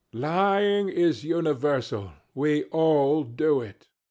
Lying is universal we all do it.